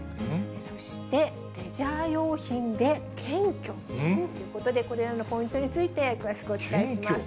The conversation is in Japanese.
そして、レジャー用品で検挙？ということで、これらのポイントについて、詳しくお伝えします。